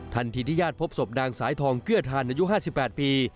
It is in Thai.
ที่ญาติพบศพนางสายทองเกื้อทานอายุ๕๘ปี